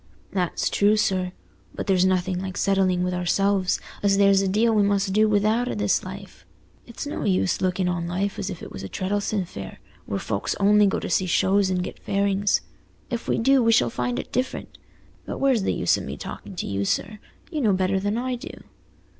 "That's true, sir, but there's nothing like settling with ourselves as there's a deal we must do without i' this life. It's no use looking on life as if it was Treddles'on Fair, where folks only go to see shows and get fairings. If we do, we shall find it different. But where's the use o' me talking to you, sir? You know better than I do."